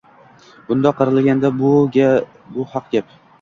Bundoq qaralganda, bu haq gap.